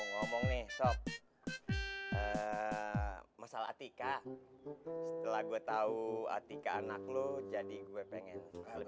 ngomong nih sob masalah tika lagu tahu atiqa anak lo jadi lebih deket lagi